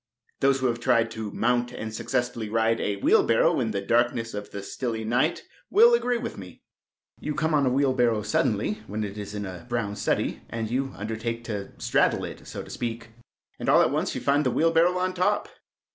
Those who have tried to mount and successfully ride a wheelbarrow in the darkness of the stilly night will agree with me. You come on a wheelbarrow suddenly when it is in a brown study, and you undertake to straddle it, so to speak, and all at once you find the wheelbarrow on top.